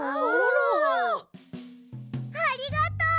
ありがとう。